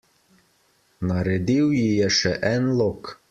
Naredil ji je še en lok.